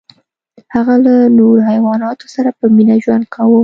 هغه له نورو حیواناتو سره په مینه ژوند کاوه.